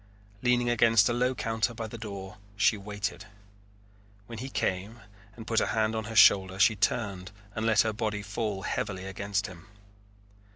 Leaning against a low counter by the door she waited. When he came and put a hand on her shoulder she turned and let her body fall heavily against him.